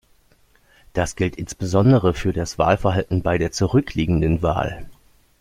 Das gilt insbesondere für das Wahlverhalten bei der zurückliegenden Wahl.